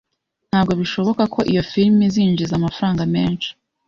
Ntabwo bishoboka ko iyo firime izinjiza amafaranga menshi.